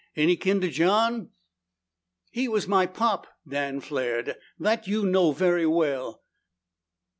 "Any kin to John?" "He was my pop!" Dan flared. "That you know very well!"